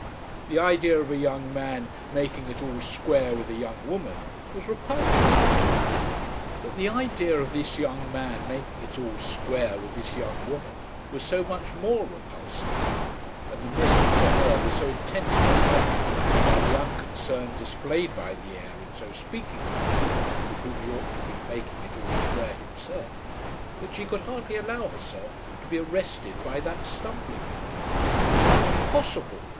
The idea of a young man making it "all square" with a young woman was repulsive, but the idea of this young man making it "all square" with this young woman was so much more repulsive, and the misery to her was so intensely heightened by the unconcern displayed by the heir in so speaking of the girl with whom he ought to have been making it "all square" himself, that she could hardly allow herself to be arrested by that stumbling block. "Impossible!"